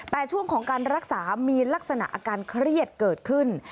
แต่ช่วงของการรักษามีลักษณะอาการเครียดเกิดขึ้น